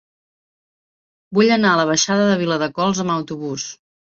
Vull anar a la baixada de Viladecols amb autobús.